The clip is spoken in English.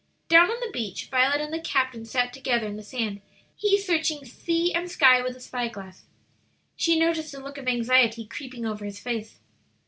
Down on the beach Violet and the captain sat together in the sand, he searching sea and sky with a spyglass. She noticed a look of anxiety creeping over his face.